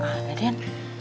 gak ada den